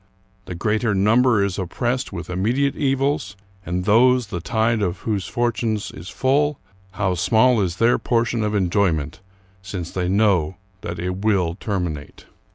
The greater number is oppressed with immediate evils, and those the tide of whose fortunes is full, how small is their portion of enjoy^ ment, since they know that it will terminate!